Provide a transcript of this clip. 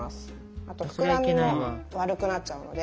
あとふくらみも悪くなっちゃうので。